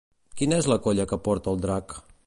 Quina és la colla que porta el drac?